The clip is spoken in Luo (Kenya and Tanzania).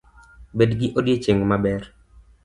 Bed gi odiochieng’ maber